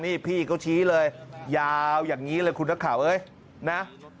นี่พี่เขาชี้เลยยาวอย่างนี้เลยคุณนักข่าวเอ้ยนะ